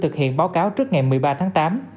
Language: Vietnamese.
thực hiện báo cáo trước ngày một mươi ba tháng tám